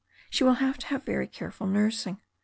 She will have to have very careful nursing.